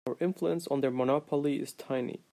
Our influence on their monopoly is tiny.